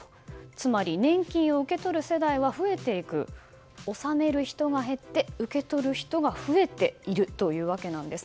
つまり、年金を受け取る世代は増えていく納める人が減って、受け取る人が増えているというわけです。